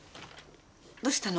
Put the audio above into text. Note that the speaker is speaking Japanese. どうしたの？